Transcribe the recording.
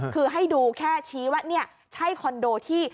คือให้ดูแค่ชี้ว่านี่ใช่คอนโดที่